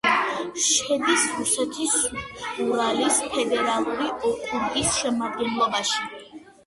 შედის რუსეთის ურალის ფედერალური ოკრუგის შემადგენლობაში.